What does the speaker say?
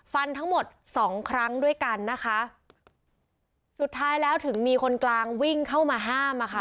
ฟันทั้งหมดสองครั้งด้วยกันนะคะสุดท้ายแล้วถึงมีคนกลางวิ่งเข้ามาห้ามอ่ะค่ะ